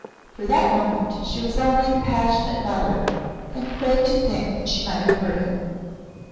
For that moment, she was only the passionate mother and quaked to think she might have hurt him.